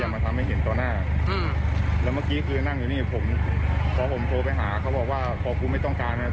มารู้อีกทีเราก็ทำเขาไปแล้ว